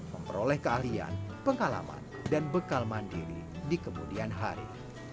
memperoleh keahlian pengalaman dan bekal mandiri di kemudian hari